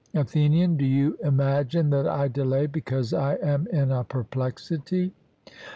ATHENIAN: Do you imagine that I delay because I am in a perplexity?